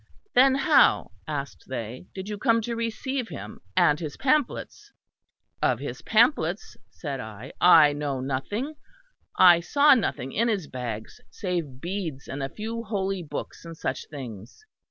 Then how, asked they, did you come to receive him and his pamphlets? Of his pamphlets, said I, I know nothing; I saw nothing in his bags save beads and a few holy books and such things.